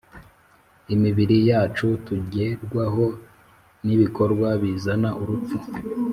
imibiri yacu tugerwaho n ibikorwa bizana urupfu